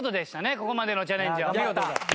ここまでのチャレンジはお見事。